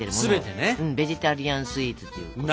ベジタリアンスイーツっていうことで。